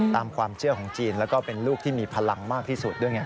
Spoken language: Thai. ตามความเชื่อของจีนแล้วก็เป็นลูกที่มีพลังมากที่สุดด้วยไง